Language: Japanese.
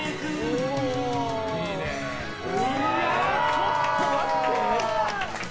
ちょっと待って。